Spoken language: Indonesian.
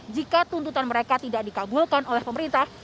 jika tuntutan mereka tidak dikabulkan oleh pemerintah